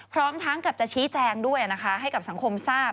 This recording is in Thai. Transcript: พร้อมทั้งกับจะชี้แจงด้วยนะคะให้กับสังคมทราบ